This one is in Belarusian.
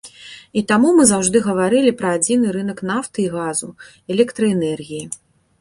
І таму мы заўжды гаварылі пра адзіны рынак нафты і газу, электраэнергіі.